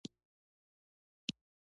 • وخت یو ستر ښوونکی دی.